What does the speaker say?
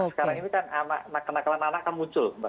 sekarang ini kan anak anak akan muncul